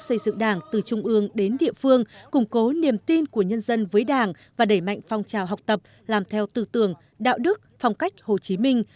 xây dựng đảng từ trung ương đến địa phương củng cố niềm tin của nhân dân với đảng và đẩy mạnh phong trào học tập làm theo tư tưởng đạo đức phong cách hồ chí minh